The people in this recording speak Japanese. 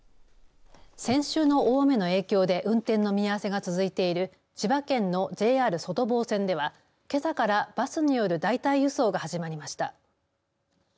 先週の大雨の影響で運転の見合わせが続いている千葉県のＪＲ外房線ではけさからバスによる代替輸送が始まりました。